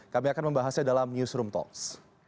kami akan membahasnya dalam newsroom talks